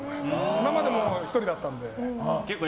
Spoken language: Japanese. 今まで１人だったので。